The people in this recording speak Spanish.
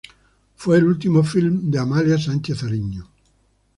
Fue el último filme de Amalia Sánchez Ariño.